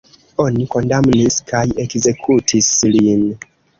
Oni kondamnis kaj ekzekutis lin.